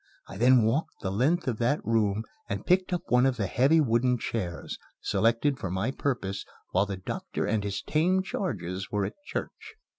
I then walked the length of that room and picked up one of the heavy wooden chairs, selected for my purpose while the doctor and his tame charges were at church.